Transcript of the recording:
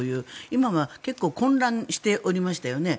今は結構混乱しておりましたよね。